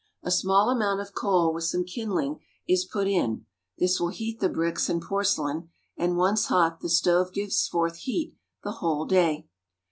A small amount of coal with some kindling is put in ; this will heat the bricks and porcelain, and, once hot, the stove gives forth heat the whole day.